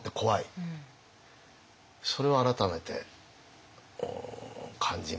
それを改めて感じましたね。